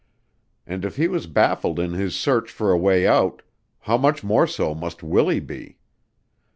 And if he was baffled in his search for a way out, how much more so must Willie be?